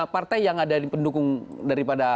partai yang ada pendukung dari pada satu